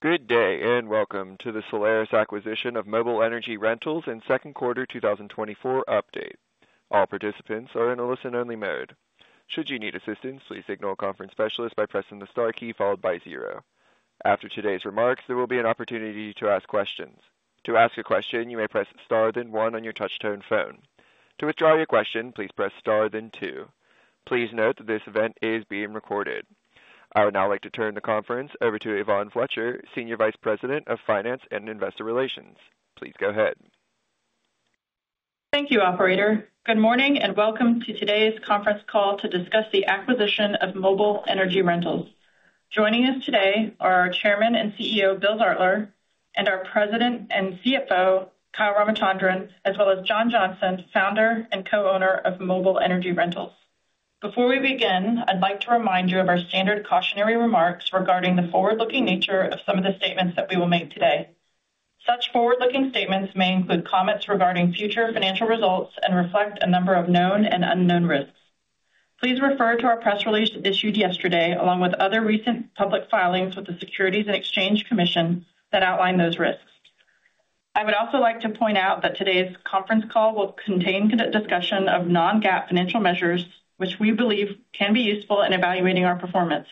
Good day and welcome to the Solaris Acquisition of Mobile Energy Rentals and Second Quarter 2024 update. All participants are in a listen-only mode. Should you need assistance, please signal a conference specialist by pressing the star key followed by zero. After today's remarks, there will be an opportunity to ask questions. To ask a question, you may press star then one on your touch-tone phone. To withdraw your question, please press star then two. Please note that this event is being recorded. I would now like to turn the conference over to Yvonne Fletcher, Senior Vice President of Finance and Investor Relations. Please go ahead. Thank you, Operator. Good morning and welcome to today's conference call to discuss the acquisition of Mobile Energy Rentals. Joining us today are our Chairman and CEO, Bill Zartler, and our President and CFO, Kyle Ramachandran, as well as John Johnson, Founder and Co-Owner of Mobile Energy Rentals. Before we begin, I'd like to remind you of our standard cautionary remarks regarding the forward-looking nature of some of the statements that we will make today. Such forward-looking statements may include comments regarding future financial results and reflect a number of known and unknown risks. Please refer to our press release issued yesterday, along with other recent public filings with the Securities and Exchange Commission that outline those risks. I would also like to point out that today's conference call will contain discussion of non-GAAP financial measures, which we believe can be useful in evaluating our performance.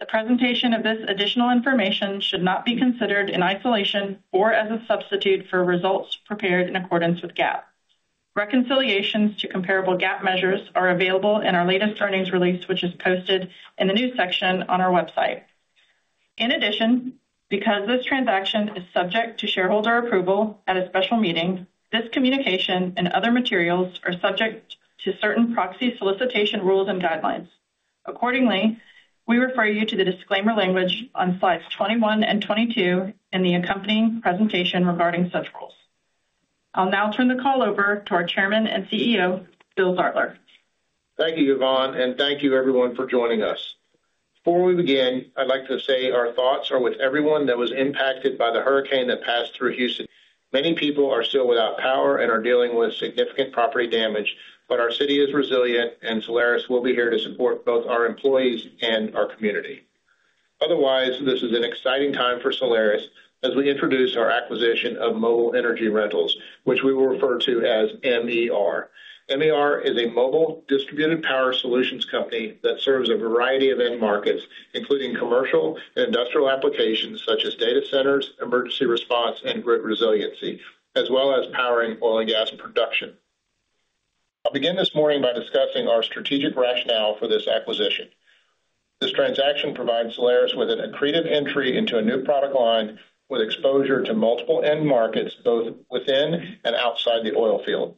The presentation of this additional information should not be considered in isolation or as a substitute for results prepared in accordance with GAAP. Reconciliations to comparable GAAP measures are available in our latest earnings release, which is posted in the news section on our website. In addition, because this transaction is subject to shareholder approval at a special meeting, this communication and other materials are subject to certain proxy solicitation rules and guidelines. Accordingly, we refer you to the disclaimer language on slides 21 and 22 in the accompanying presentation regarding such rules. I'll now turn the call over to our Chairman and CEO, Bill Zartler. Thank you, Yvonne, and thank you, everyone, for joining us. Before we begin, I'd like to say our thoughts are with everyone that was impacted by the hurricane that passed through Houston. Many people are still without power and are dealing with significant property damage, but our city is resilient, and Solaris will be here to support both our employees and our community. Otherwise, this is an exciting time for Solaris as we introduce our acquisition of Mobile Energy Rentals, which we will refer to as MER. MER is a mobile distributed power solutions company that serves a variety of end markets, including commercial and industrial applications such as data centers, emergency response, and grid resiliency, as well as powering oil and gas production. I'll begin this morning by discussing our strategic rationale for this acquisition. This transaction provides Solaris with an accretive entry into a new product line with exposure to multiple end markets both within and outside the oil field.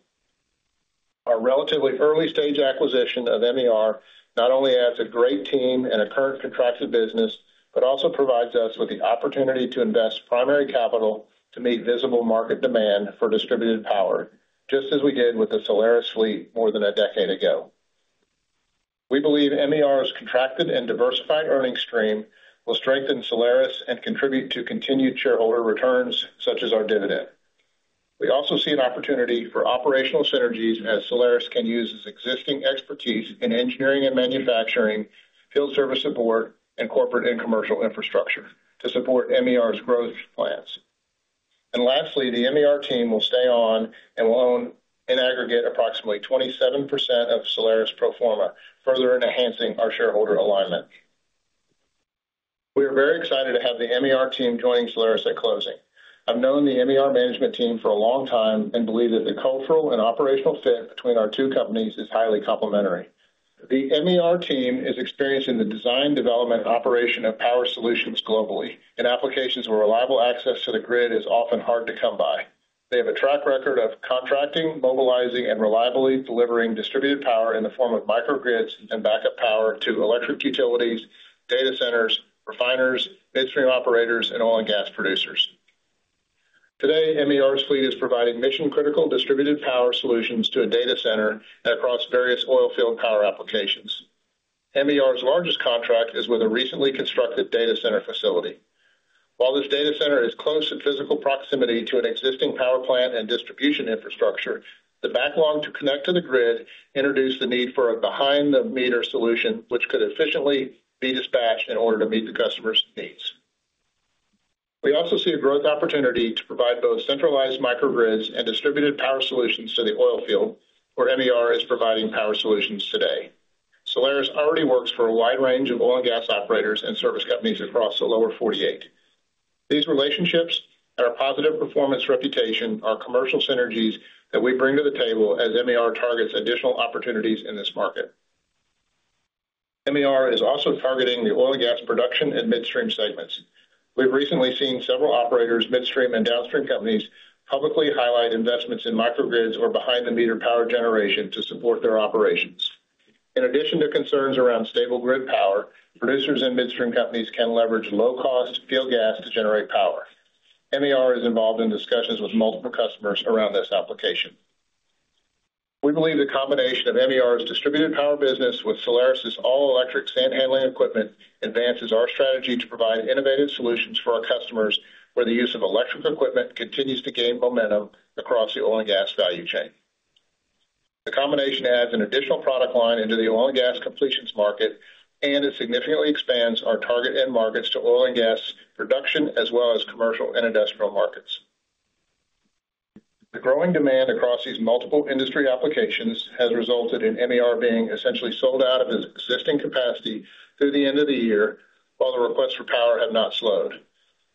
Our relatively early-stage acquisition of MER not only adds a great team and a current contracted business, but also provides us with the opportunity to invest primary capital to meet visible market demand for distributed power, just as we did with the Solaris fleet more than a decade ago. We believe MER's contracted and diversified earnings stream will strengthen Solaris and contribute to continued shareholder returns such as our dividend. We also see an opportunity for operational synergies as Solaris can use its existing expertise in engineering and manufacturing, field service support, and corporate and commercial infrastructure to support MER's growth plans. Lastly, the MER team will stay on and will own in aggregate approximately 27% of Solaris pro forma, further enhancing our shareholder alignment. We are very excited to have the MER team joining Solaris at closing. I've known the MER management team for a long time and believe that the cultural and operational fit between our two companies is highly complementary. The MER team is experienced in the design, development, and operation of power solutions globally, in applications where reliable access to the grid is often hard to come by. They have a track record of contracting, mobilizing, and reliably delivering distributed power in the form of microgrids and backup power to electric utilities, data centers, refiners, midstream operators, and oil and gas producers. Today, MER's fleet is providing mission-critical distributed power solutions to a data center and across various oil field power applications. MER's largest contract is with a recently constructed data center facility. While this data center is close in physical proximity to an existing power plant and distribution infrastructure, the backlog to connect to the grid introduced the need for a behind-the-meter solution, which could efficiently be dispatched in order to meet the customer's needs. We also see a growth opportunity to provide both centralized microgrids and distributed power solutions to the oil field, where MER is providing power solutions today. Solaris already works for a wide range of oil and gas operators and service companies across the Lower 48. These relationships and our positive performance reputation are commercial synergies that we bring to the table as MER targets additional opportunities in this market. MER is also targeting the oil and gas production and midstream segments. We've recently seen several operators, midstream and downstream companies, publicly highlight investments in microgrids or behind-the-meter power generation to support their operations. In addition to concerns around stable grid power, producers and midstream companies can leverage low-cost field gas to generate power. MER is involved in discussions with multiple customers around this application. We believe the combination of MER's distributed power business with Solaris's all-electric sand handling equipment advances our strategy to provide innovative solutions for our customers where the use of electric equipment continues to gain momentum across the oil and gas value chain. The combination adds an additional product line into the oil and gas completions market and significantly expands our target end markets to oil and gas production as well as commercial and industrial markets. The growing demand across these multiple industry applications has resulted in MER being essentially sold out of its existing capacity through the end of the year, while the requests for power have not slowed.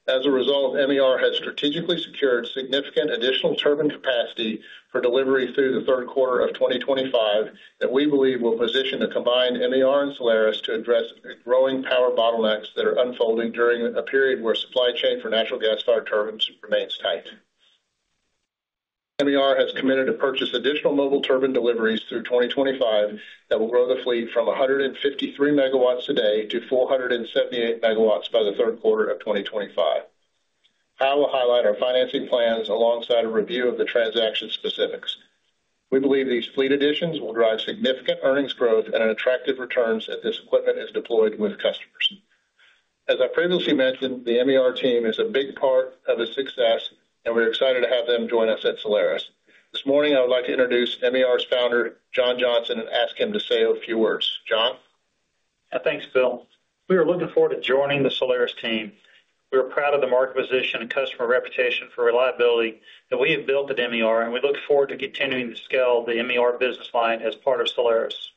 As a result, MER has strategically secured significant additional turbine capacity for delivery through the third quarter of 2025 that we believe will position a combined MER and Solaris to address the growing power bottlenecks that are unfolding during a period where supply chain for natural gas-fired turbines remains tight. MER has committed to purchase additional mobile turbine deliveries through 2025 that will grow the fleet from 153 MW a day to 478 MW by the third quarter of 2025. I will highlight our financing plans alongside a review of the transaction specifics. We believe these fleet additions will drive significant earnings growth and attractive returns if this equipment is deployed with customers. As I previously mentioned, the MER team is a big part of this success, and we're excited to have them join us at Solaris. This morning, I would like to introduce MER's founder, John Johnson, and ask him to say a few words. John. Thanks, Bill. We are looking forward to joining the Solaris team. We are proud of the market position and customer reputation for reliability that we have built at MER, and we look forward to continuing to scale the MER business line as part of Solaris.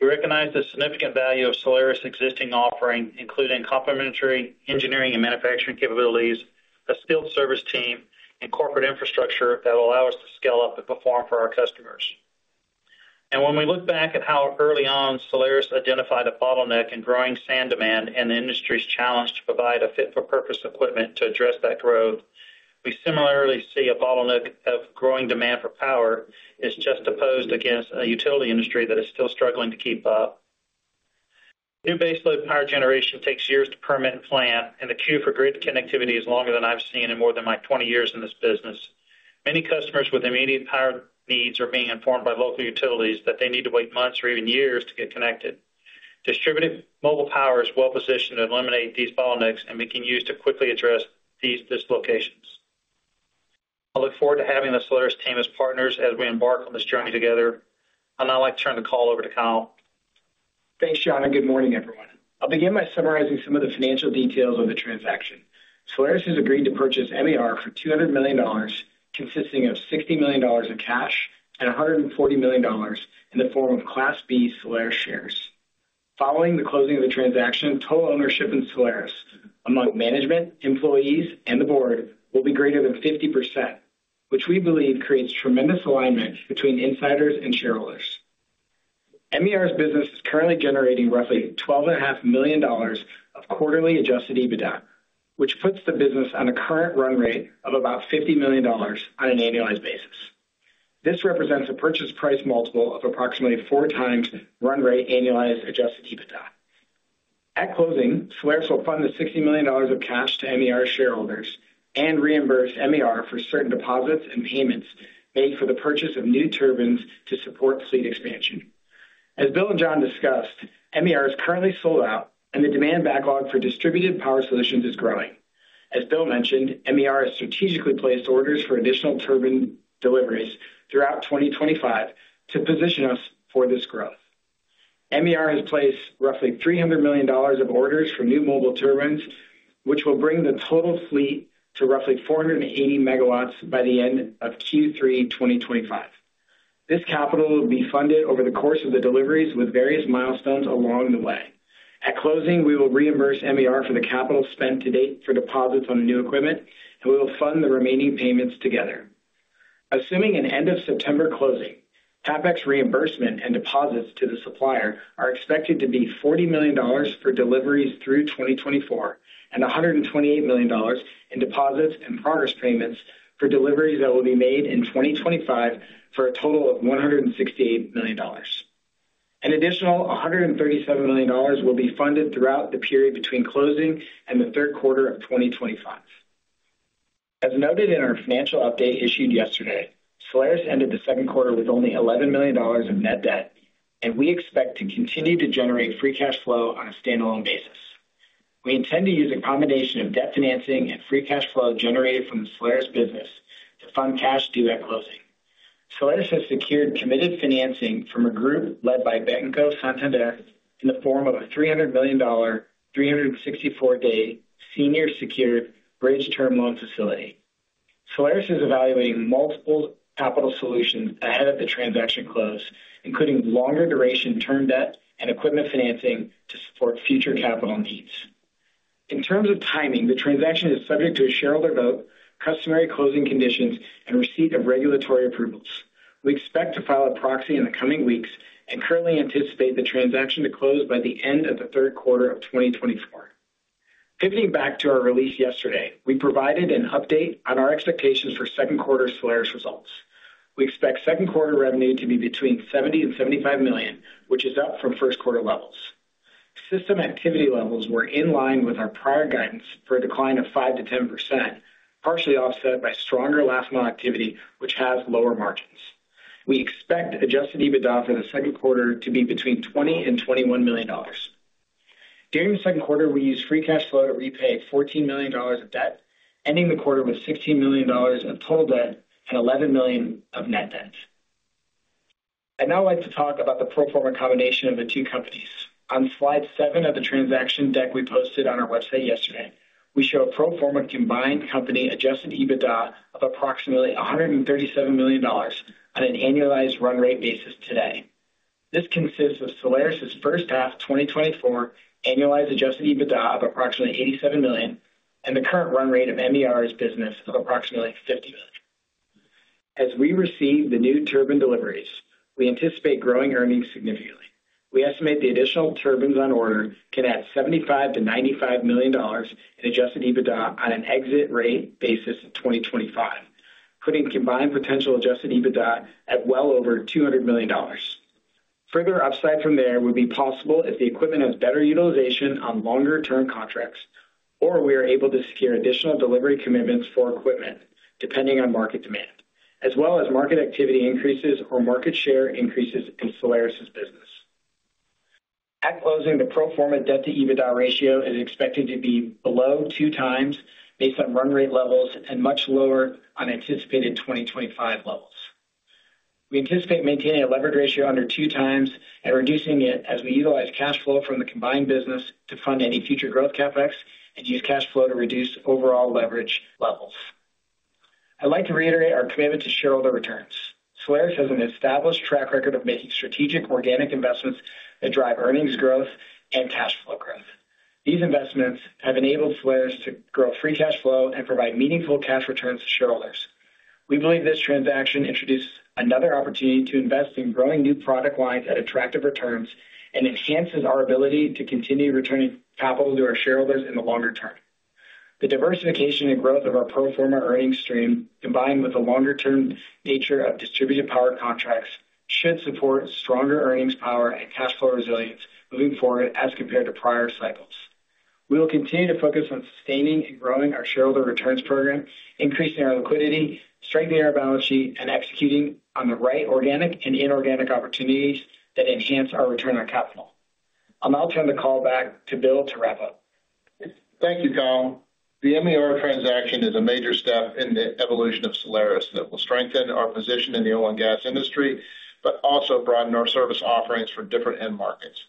We recognize the significant value of Solaris's existing offering, including complementary engineering and manufacturing capabilities, a skilled service team, and corporate infrastructure that will allow us to scale up and perform for our customers. And when we look back at how early on Solaris identified a bottleneck in growing sand demand and the industry's challenge to provide a fit-for-purpose equipment to address that growth, we similarly see a bottleneck of growing demand for power is juxtaposed against a utility industry that is still struggling to keep up. New baseload power generation takes years to permit and plant, and the queue for grid connectivity is longer than I've seen in more than my 20 years in this business. Many customers with immediate power needs are being informed by local utilities that they need to wait months or even years to get connected. Distributed mobile power is well-positioned to eliminate these bottlenecks and be used to quickly address these dislocations. I look forward to having the Solaris team as partners as we embark on this journey together. I'd now like to turn the call over to Kyle. Thanks, John, and good morning, everyone. I'll begin by summarizing some of the financial details of the transaction. Solaris has agreed to purchase MER for $200 million, consisting of $60 million in cash and $140 million in the form of Class B Solaris shares. Following the closing of the transaction, total ownership in Solaris among management, employees, and the board will be greater than 50%, which we believe creates tremendous alignment between insiders and shareholders. MER's business is currently generating roughly $12.5 million of quarterly Adjusted EBITDA, which puts the business on a current run rate of about $50 million on an annualized basis. This represents a purchase price multiple of approximately four times run rate annualized Adjusted EBITDA. At closing, Solaris will fund the $60 million of cash to MER shareholders and reimburse MER for certain deposits and payments made for the purchase of new turbines to support fleet expansion. As Bill and John discussed, MER is currently sold out, and the demand backlog for distributed power solutions is growing. As Bill mentioned, MER has strategically placed orders for additional turbine deliveries throughout 2025 to position us for this growth. MER has placed roughly $300 million of orders for new mobile turbines, which will bring the total fleet to roughly 480 MW by the end of Q3 2025. This capital will be funded over the course of the deliveries with various milestones along the way. At closing, we will reimburse MER for the capital spent to date for deposits on new equipment, and we will fund the remaining payments together. Assuming an end-of-September closing, CapEx reimbursement and deposits to the supplier are expected to be $40 million for deliveries through 2024 and $128 million in deposits and progress payments for deliveries that will be made in 2025 for a total of $168 million. An additional $137 million will be funded throughout the period between closing and the third quarter of 2025. As noted in our financial update issued yesterday, Solaris ended the second quarter with only $11 million of net debt, and we expect to continue to generate free cash flow on a standalone basis. We intend to use a combination of debt financing and free cash flow generated from the Solaris business to fund cash due at closing. Solaris has secured committed financing from a group led by Banco Santander, in the form of a $300 million, 364-day senior secured bridge term loan facility. Solaris is evaluating multiple capital solutions ahead of the transaction close, including longer-duration term debt and equipment financing to support future capital needs. In terms of timing, the transaction is subject to a shareholder vote, customary closing conditions, and receipt of regulatory approvals. We expect to file a proxy in the coming weeks and currently anticipate the transaction to close by the end of the third quarter of 2024. Pivoting back to our release yesterday, we provided an update on our expectations for second quarter Solaris results. We expect second quarter revenue to be between $70 million-$75 million, which is up from first quarter levels. System activity levels were in line with our prior guidance for a decline of 5%-10%, partially offset by stronger last-mile activity, which has lower margins. We expect Adjusted EBITDA for the second quarter to be between $20 million-$21 million. During the second quarter, we used free cash flow to repay $14 million of debt, ending the quarter with $16 million of total debt and $11 million of net debt. I'd now like to talk about the pro forma combination of the two companies. On slide seven of the transaction deck we posted on our website yesterday, we show a pro forma combined company Adjusted EBITDA of approximately $137 million on an annualized run rate basis today. This consists of Solaris's first half 2024 annualized Adjusted EBITDA of approximately $87 million and the current run rate of MER's business of approximately $50 million. As we receive the new turbine deliveries, we anticipate growing earnings significantly. We estimate the additional turbines on order can add $75 million-$95 million in Adjusted EBITDA on an exit rate basis in 2025, putting combined potential Adjusted EBITDA at well over $200 million. Further upside from there would be possible if the equipment has better utilization on longer-term contracts or we are able to secure additional delivery commitments for equipment, depending on market demand, as well as market activity increases or market share increases in Solaris's business. At closing, the pro forma debt-to-EBITDA ratio is expected to be below 2x based on run rate levels and much lower on anticipated 2025 levels. We anticipate maintaining a leverage ratio under 2x and reducing it as we utilize cash flow from the combined business to fund any future growth CapEx and use cash flow to reduce overall leverage levels. I'd like to reiterate our commitment to shareholder returns. Solaris has an established track record of making strategic organic investments that drive earnings growth and cash flow growth. These investments have enabled Solaris to grow free cash flow and provide meaningful cash returns to shareholders. We believe this transaction introduces another opportunity to invest in growing new product lines at attractive returns and enhances our ability to continue returning capital to our shareholders in the longer term. The diversification and growth of our pro forma earnings stream, combined with the longer-term nature of distributed power contracts, should support stronger earnings power and cash flow resilience moving forward as compared to prior cycles. We will continue to focus on sustaining and growing our shareholder returns program, increasing our liquidity, strengthening our balance sheet, and executing on the right organic and inorganic opportunities that enhance our return on capital. I'll now turn the call back to Bill to wrap up. Thank you, Kyle. The MER transaction is a major step in the evolution of Solaris that will strengthen our position in the oil and gas industry, but also broaden our service offerings for different end markets.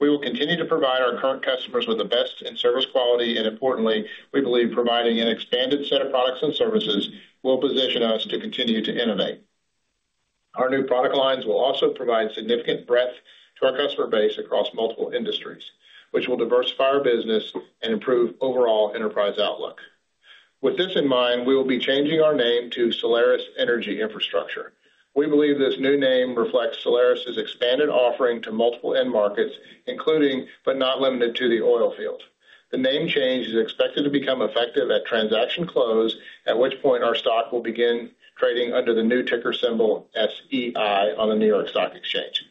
We will continue to provide our current customers with the best in service quality, and importantly, we believe providing an expanded set of products and services will position us to continue to innovate. Our new product lines will also provide significant breadth to our customer base across multiple industries, which will diversify our business and improve overall enterprise outlook. With this in mind, we will be changing our name to Solaris Energy Infrastructure. We believe this new name reflects Solaris's expanded offering to multiple end markets, including, but not limited to, the oil field. The name change is expected to become effective at transaction close, at which point our stock will begin trading under the new ticker symbol SEI on the New York Stock Exchange.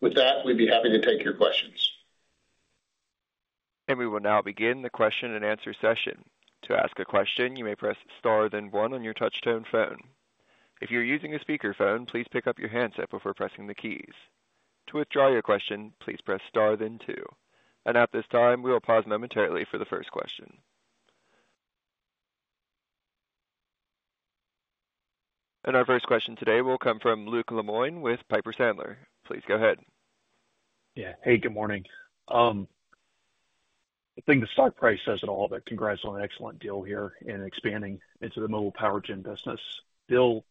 With that, we'd be happy to take your questions. We will now begin the question and answer session. To ask a question, you may press star then one on your touch-tone phone. If you're using a speakerphone, please pick up your handset before pressing the keys. To withdraw your question, please press star then two. At this time, we will pause momentarily for the first question. Our first question today will come from Luke Lemoine with Piper Sandler. Please go ahead. Yeah. Hey, good morning. I think the stock price says it all, but congrats on an excellent deal here in expanding into the mobile power gen business. Bill,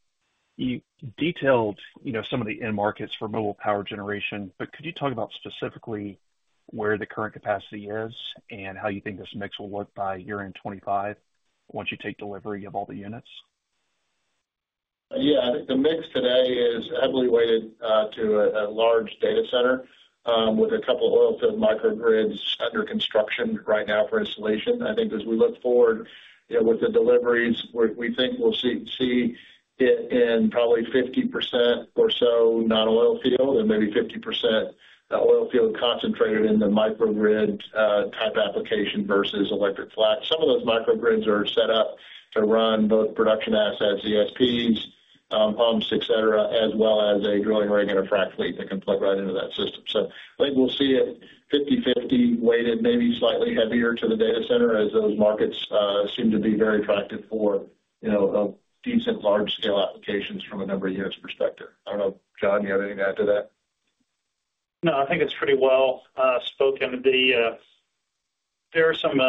you detailed some of the end markets for mobile power generation, but could you talk about specifically where the current capacity is and how you think this mix will look by year-end 2025 once you take delivery of all the units? Yeah. I think the mix today is heavily weighted to a large data center with a couple of oilfield microgrids under construction right now for installation. I think as we look forward with the deliveries, we think we'll see it in probably 50% or so non-oilfield and maybe 50% oilfield concentrated in the microgrid type application versus electric frac. Some of those microgrids are set up to run both production assets, ESPs, pumps, etc., as well as a drilling rig and a frac fleet that can plug right into that system. So I think we'll see it 50/50 weighted, maybe slightly heavier to the data center as those markets seem to be very attractive for decent large-scale applications from a number of units' perspective. I don't know, John, do you have anything to add to that? No, I think it's pretty well spoken. There are some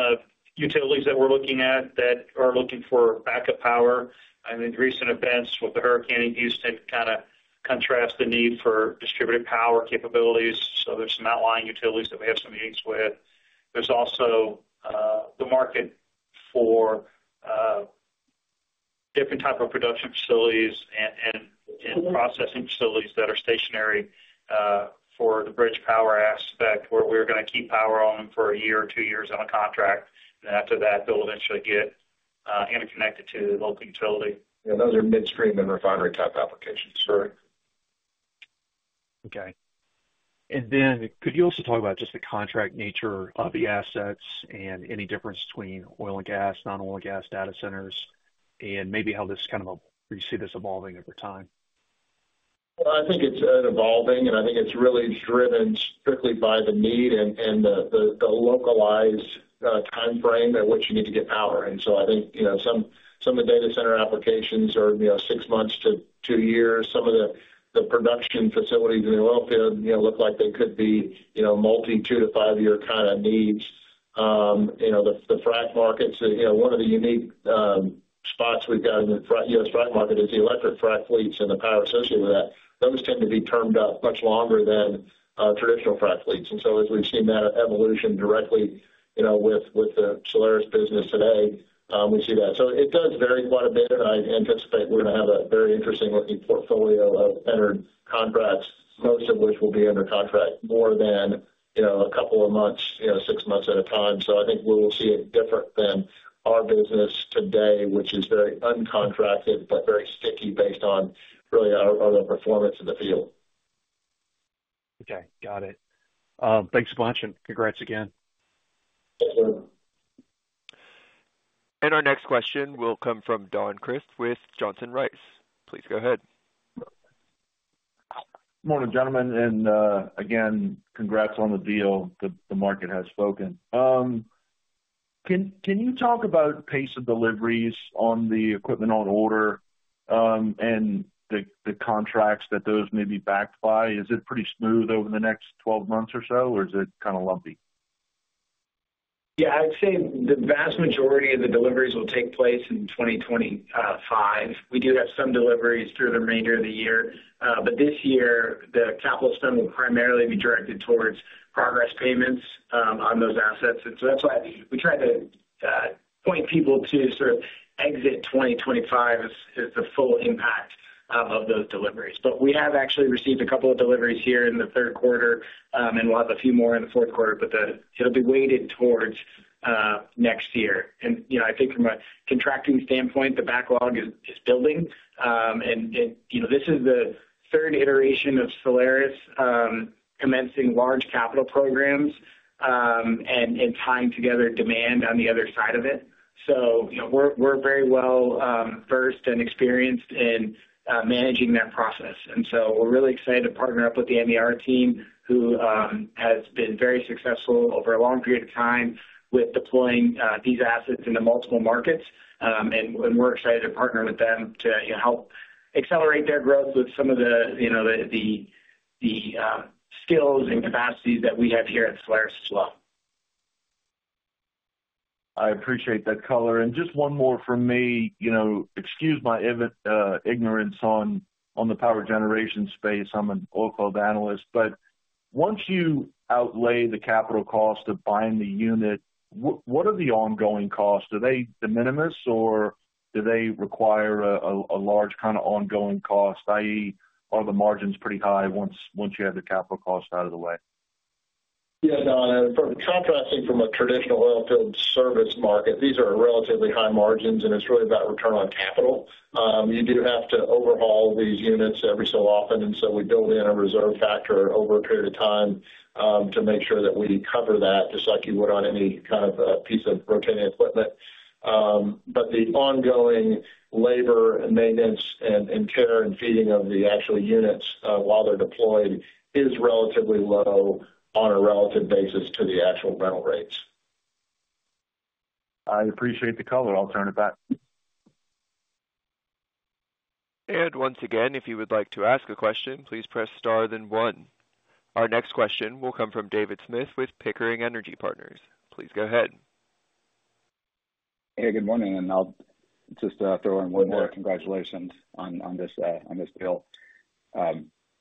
utilities that we're looking at that are looking for backup power. I mean, recent events with the hurricane in Houston kind of contrast the need for distributed power capabilities. So there's some outlying utilities that we have some meetings with. There's also the market for different types of production facilities and processing facilities that are stationary for the bridge power aspect where we're going to keep power on them for a year or two years on a contract. After that, they'll eventually get interconnected to the local utility. Yeah. Those are midstream and refinery-type applications, correct? Okay. And then could you also talk about just the contract nature of the assets and any difference between oil and gas, non-oil and gas data centers, and maybe how this kind of, do you see this evolving over time? Well, I think it's evolving, and I think it's really driven strictly by the need and the localized timeframe at which you need to get power. And so I think some of the data center applications are six months to two years. Some of the production facilities in the oil field look like they could be multi-two to five-year kind of needs. The frac markets, one of the unique spots we've got in the U.S. frac market is the electric frac fleets and the power associated with that. Those tend to be termed up much longer than traditional frac fleets. And so as we've seen that evolution directly with the Solaris business today, we see that. So it does vary quite a bit, and I anticipate we're going to have a very interesting-looking portfolio of entered contracts, most of which will be under contract more than a couple of months, six months at a time. So I think we will see it different than our business today, which is very uncontracted but very sticky based on really our performance in the field. Okay. Got it. Thanks for watching. Congrats again. Our next question will come from Don Crist with Johnson Rice. Please go ahead. Good morning, gentlemen. Again, congrats on the deal. The market has spoken. Can you talk about pace of deliveries on the equipment on order and the contracts that those may be backed by? Is it pretty smooth over the next 12 months or so, or is it kind of lumpy? Yeah. I'd say the vast majority of the deliveries will take place in 2025. We do have some deliveries through the remainder of the year, but this year, the capital spend will primarily be directed towards progress payments on those assets. And so that's why we try to point people to sort of exit 2025 as the full impact of those deliveries. But we have actually received a couple of deliveries here in the third quarter, and we'll have a few more in the fourth quarter, but it'll be weighted towards next year. And I think from a contracting standpoint, the backlog is building. And this is the third iteration of Solaris commencing large capital programs and tying together demand on the other side of it. So we're very well versed and experienced in managing that process. And so we're really excited to partner up with the MER team, who has been very successful over a long period of time with deploying these assets into multiple markets. And we're excited to partner with them to help accelerate their growth with some of the skills and capacities that we have here at Solaris as well. I appreciate that color. And just one more from me. Excuse my ignorance on the power generation space. I'm an oilfield analyst. But once you outlay the capital cost of buying the unit, what are the ongoing costs? Are they de minimis or do they require a large kind of ongoing cost, i.e., are the margins pretty high once you have the capital cost out of the way? Yeah, Don. For contrasting from a traditional oilfield service market, these are relatively high margins, and it's really about return on capital. You do have to overhaul these units every so often. And so we build in a reserve factor over a period of time to make sure that we cover that, just like you would on any kind of piece of rotating equipment. But the ongoing labor and maintenance and care and feeding of the actual units while they're deployed is relatively low on a relative basis to the actual rental rates. I appreciate the color. I'll turn it back. And once again, if you would like to ask a question, please press Star then 1. Our next question will come from David Smith with Pickering Energy Partners. Please go ahead. Hey, good morning. I'll just throw in one more congratulations on this deal.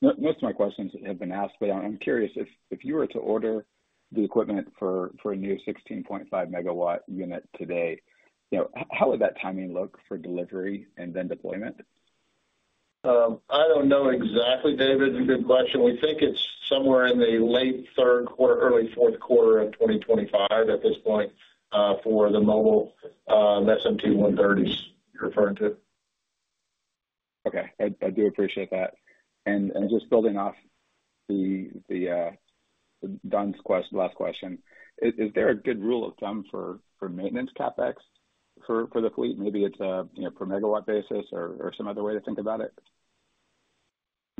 Most of my questions have been asked, but I'm curious, if you were to order the equipment for a new 16.5 MW unit today, how would that timing look for delivery and then deployment? I don't know exactly, David. It's a good question. We think it's somewhere in the late third quarter, early fourth quarter of 2025 at this point for the mobile SMT130s you're referring to. Okay. I do appreciate that. Just building off Don's last question, is there a good rule of thumb for maintenance CapEx for the fleet? Maybe it's a per-megawatt basis or some other way to think about it?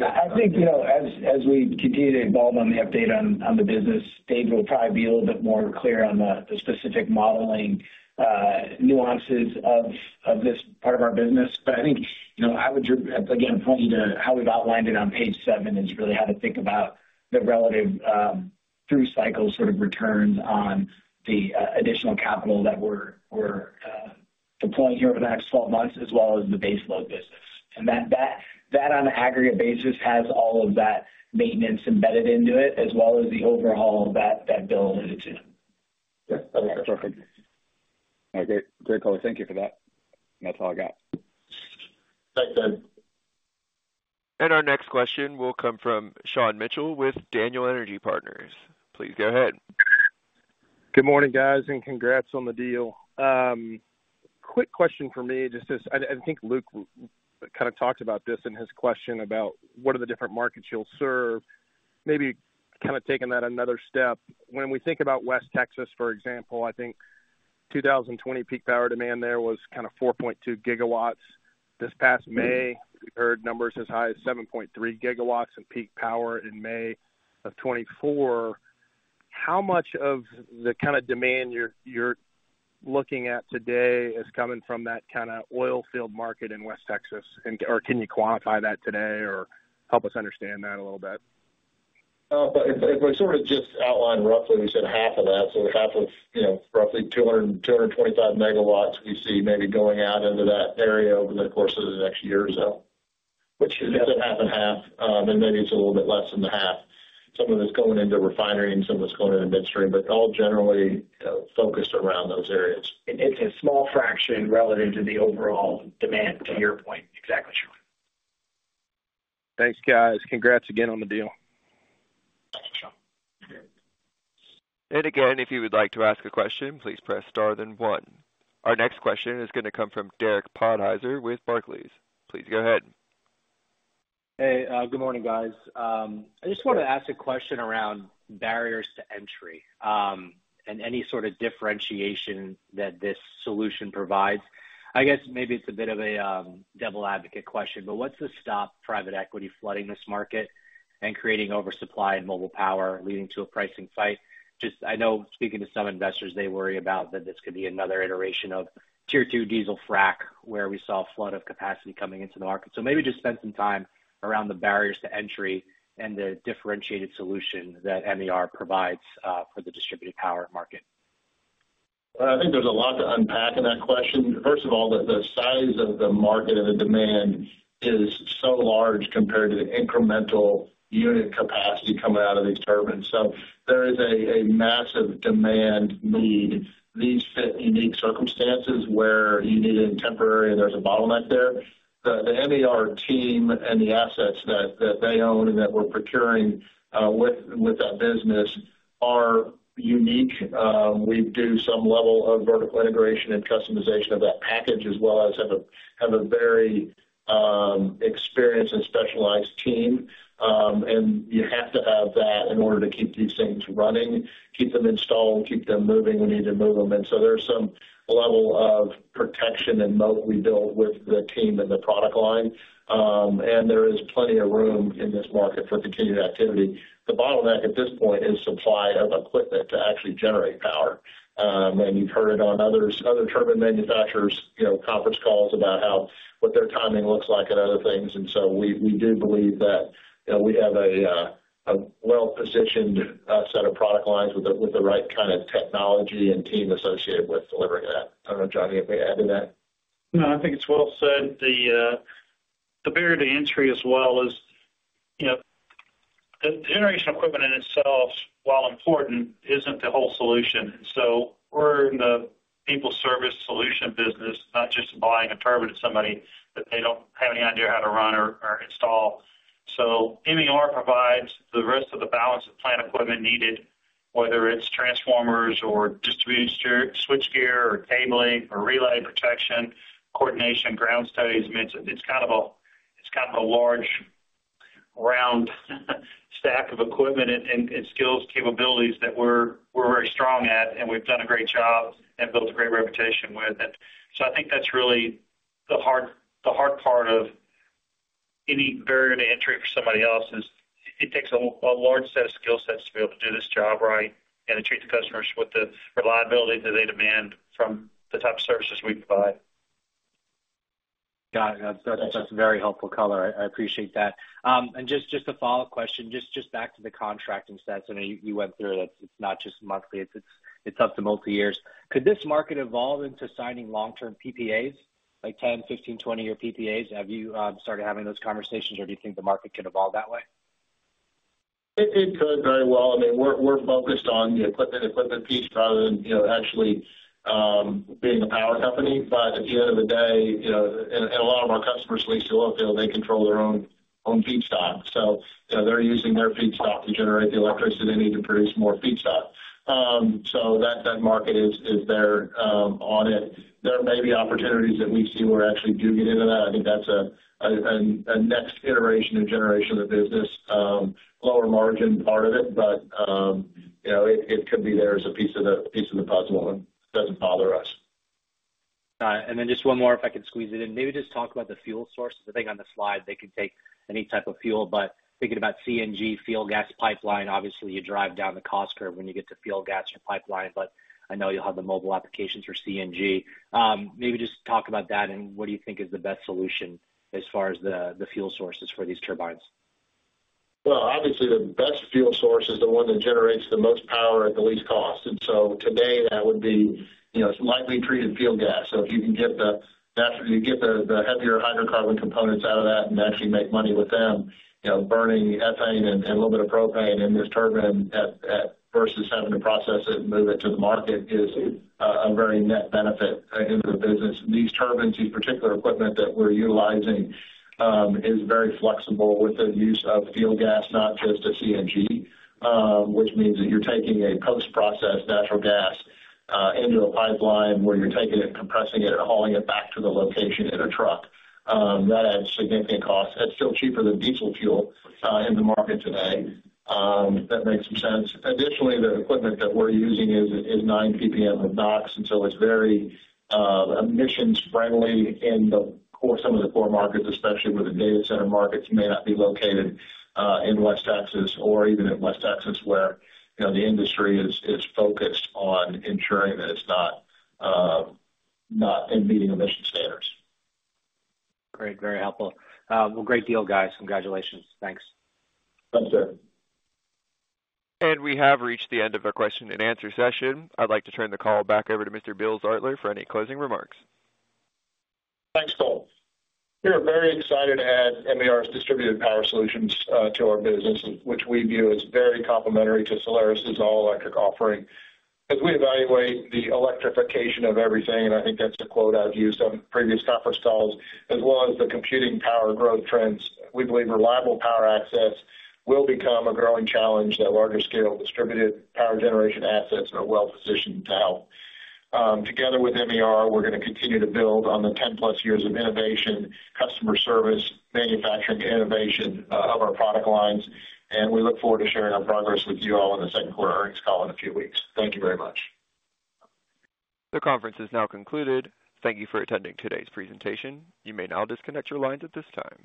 I think as we continue to evolve on the update on the business, David will probably be a little bit more clear on the specific modeling nuances of this part of our business. But I think I would, again, point you to how we've outlined it on page seven is really how to think about the relative through cycle sort of returns on the additional capital that we're deploying here over the next 12 months, as well as the base load business. And that, on an aggregate basis, has all of that maintenance embedded into it, as well as the overhaul that Bill alluded to. Yeah. That's perfect. All right. Great color. Thank you for that. That's all I got. Thanks, David. Our next question will come from Sean Mitchell with Daniel Energy Partners. Please go ahead. Good morning, guys, and congrats on the deal. Quick question for me, just as I think Luke kind of talked about this in his question about what are the different markets you'll serve, maybe kind of taking that another step. When we think about West Texas, for example, I think 2020 peak power demand there was kind of 4.2 GW. This past May, we heard numbers as high as 7.3 GW in peak power in May of 2024. How much of the kind of demand you're looking at today is coming from that kind of oilfield market in West Texas? Or can you quantify that today or help us understand that a little bit? If I sort of just outline roughly, we said half of that. So half of roughly 225 MW we see maybe going out into that area over the course of the next year or so, which is a half and half, and maybe it's a little bit less than the half. Some of it's going into refinery and some of it's going into midstream, but all generally focused around those areas. It's a small fraction relative to the overall demand, to your point. Exactly, Sean. Thanks, guys. Congrats again on the deal. Thanks, Sean. And again, if you would like to ask a question, please press star then one. Our next question is going to come from Derek Podhaizer with Barclays. Please go ahead. Hey, good morning, guys. I just wanted to ask a question around barriers to entry and any sort of differentiation that this solution provides. I guess maybe it's a bit of a devil's advocate question, but what's to stop private equity flooding this market and creating oversupply in mobile power leading to a pricing fight? Just, I know speaking to some investors, they worry about that this could be another iteration of Tier 2 diesel frac where we saw a flood of capacity coming into the market. So maybe just spend some time around the barriers to entry and the differentiated solution that MER provides for the distributed power market. I think there's a lot to unpack in that question. First of all, the size of the market and the demand is so large compared to the incremental unit capacity coming out of these turbines. So there is a massive demand need. These fit unique circumstances where you need it in temporary, and there's a bottleneck there. The MER team and the assets that they own and that we're procuring with that business are unique. We do some level of vertical integration and customization of that package, as well as have a very experienced and specialized team. And you have to have that in order to keep these things running, keep them installed, keep them moving. We need to move them. And so there's some level of protection and moat we built with the team and the product line. There is plenty of room in this market for continued activity. The bottleneck at this point is supply of equipment to actually generate power. You've heard it on other turbine manufacturers' conference calls about what their timing looks like and other things. So we do believe that we have a well-positioned set of product lines with the right kind of technology and team associated with delivering that. I don't know, John, if we add to that. No, I think it's well said. The barrier to entry, as well as the generation equipment in itself, while important, isn't the whole solution. And so we're in the people service solution business, not just buying a turbine to somebody that they don't have any idea how to run or install. So MER provides the rest of the balance of plant equipment needed, whether it's transformers or switchgear or cabling or relay protection, coordination, ground studies. I mean, it's kind of a large round stack of equipment and skills capabilities that we're very strong at, and we've done a great job and built a great reputation with. And so, I think that's really the hard part of any barrier to entry for somebody else is it takes a large set of skill sets to be able to do this job right and to treat the customers with the reliability that they demand from the type of services we provide. Got it. That's very helpful color. I appreciate that. Just a follow-up question, just back to the contracting set. I know you went through it. It's not just monthly. It's up to multi-years. Could this market evolve into signing long-term PPAs, like 10, 15, 20-year PPAs? Have you started having those conversations, or do you think the market can evolve that way? It could very well. I mean, we're focused on the equipment piece rather than actually being a power company. But at the end of the day, and a lot of our customers lease to oilfield, they control their own feedstock. So they're using their feedstock to generate the electricity they need to produce more feedstock. So that market is there on it. There may be opportunities that we see where we actually do get into that. I think that's a next iteration and generation of the business, lower margin part of it, but it could be there as a piece of the puzzle and doesn't bother us. Got it. And then just one more, if I could squeeze it in. Maybe just talk about the fuel source. I think on the slide, they can take any type of fuel. But thinking about CNG, fuel gas pipeline, obviously, you drive down the cost curve when you get to fuel gas or pipeline, but I know you'll have the mobile applications for CNG. Maybe just talk about that and what do you think is the best solution as far as the fuel sources for these turbines? Well, obviously, the best fuel source is the one that generates the most power at the least cost. And so today, that would be lightly treated fuel gas. So if you can get the heavier hydrocarbon components out of that and actually make money with them, burning ethane and a little bit of propane in this turbine versus having to process it and move it to the market is a very net benefit into the business. These turbines, these particular equipment that we're utilizing, is very flexible with the use of fuel gas, not just a CNG, which means that you're taking a post-processed natural gas into a pipeline where you're taking it and compressing it and hauling it back to the location in a truck. That adds significant cost. That's still cheaper than diesel fuel in the market today. That makes some sense. Additionally, the equipment that we're using is 9 PPM of NOx. And so it's very emissions-friendly in some of the core markets, especially where the data center markets may not be located in West Texas or even in West Texas where the industry is focused on ensuring that it's not in meeting emission standards. Great. Very helpful. Well, great deal, guys. Congratulations. Thanks. Thanks, Derek. We have reached the end of our question-and-answer session. I'd like to turn the call back over to Mr. Bill Zartler for any closing remarks. Thanks, Cole. We are very excited to add MER's distributed power solutions to our business, which we view as very complementary to Solaris' all-electric offering. As we evaluate the electrification of everything, and I think that's a quote I've used on previous conference calls, as well as the computing power growth trends, we believe reliable power access will become a growing challenge that larger scale distributed power generation assets are well-positioned to help. Together with MER, we're going to continue to build on the 10+ years of innovation, customer service, manufacturing, and innovation of our product lines. And we look forward to sharing our progress with you all in the second quarter earnings call in a few weeks. Thank you very much. The conference is now concluded. Thank you for attending today's presentation. You may now disconnect your lines at this time.